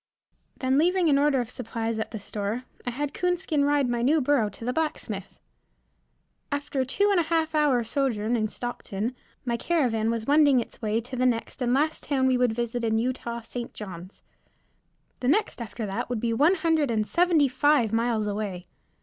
Then leaving an order for supplies at the store, I had Coonskin ride my new burro to the blacksmith. After a two and a half hour sojourn in Stockton, my caravan was wending its way to the next and last town we would visit in Utah, St. Johns. The next after that would be one hundred and seventy five miles away.